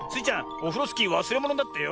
オフロスキーわすれものだってよ。